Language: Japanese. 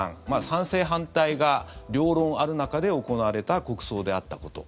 賛成・反対が両論ある中で行われた国葬であったこと。